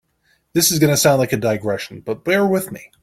This is going to sound like a digression, but bear with me.